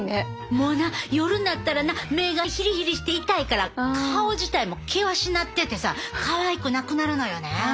もうな夜になったらな目がヒリヒリして痛いから顔自体も険しなっててさかわいくなくなるのよね。